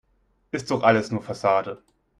Ist doch alles nur Fassade.